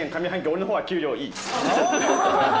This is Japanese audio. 俺のほうが給料いい。